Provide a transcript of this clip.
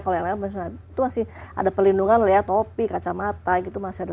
kalau yang lain masih ada pelindungan lihat topi kacamata gitu masih ada